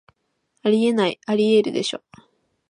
あり得ない、アリエールでしょ